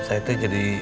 saya itu jadi